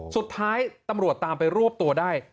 สุดท้ายตำรวจตามไปรวบตัวได้